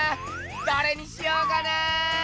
どれにしようかな！